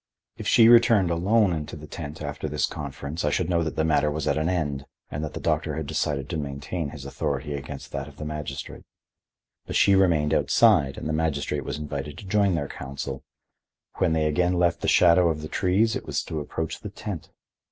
If she returned alone into the tent after this conference I should know that the matter was at an end and that the doctor had decided to maintain his authority against that of the magistrate. But she remained outside and the magistrate was invited to join their council; when they again left the shadow of the trees it was to approach the tent.